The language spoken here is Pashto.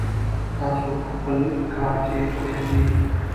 تاسو په خپل کار کې بریالي یئ.